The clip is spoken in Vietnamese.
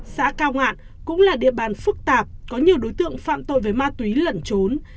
xã cao ngạn cũng là địa bàn phức tạp có nhiều đối tượng phạm tội về ma túy lẩn trốn